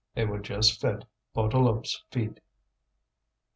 They would just fit Bouteloup's feet.